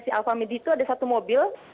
si alphamedi itu ada satu mobil